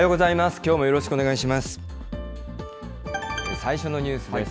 きょうもよろしくお願いします。